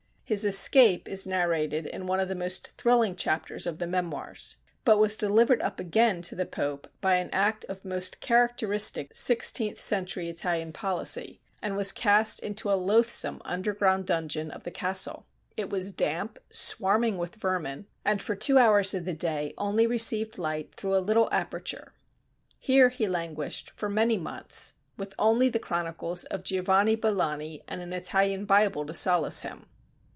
His escape is narrated in one of the most thrilling chapters of the 'Memoirs.' He went in hiding to the Cardinal Cornaro, but was delivered up again to the Pope by an act of most characteristic sixteenth century Italian policy, and was cast into a loathsome underground dungeon of the castle. It was damp, swarming with vermin, and for two hours of the day only received light through a little aperture. Here he languished for many months, with only the chronicles of Giovanni Billani and an Italian Bible to solace him.